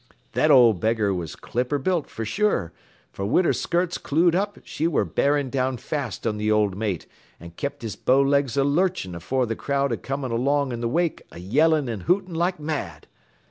"That old beggar was clipper built, fer sure, for wid her skirts clewed up she ware bearin' down fast on th' old mate an' kept his bow legs a lurchin' afore th' crowd a comin' along in th' wake a yellin' an' hootin' like mad.